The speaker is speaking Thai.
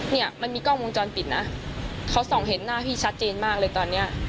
เนี่ยมันมีกล้องวงจรปิดนะเขาส่องเห็นหน้าพี่ชัดเจนมากเลยตอนเนี้ย